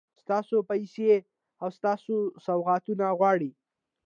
ستاسو پیسې او ستاسو سوغاتونه غواړي.